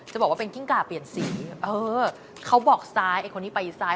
บอกว่าเป็นกิ้งก่าเปลี่ยนสีเออเขาบอกซ้ายไอ้คนนี้ไปซ้าย